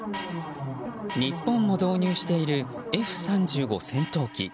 日本も導入しているＦ３５戦闘機。